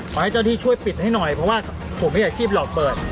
ให้เจ้าที่ช่วยปิดให้หน่อยเพราะว่าผมมีอาชีพหลอกเปิด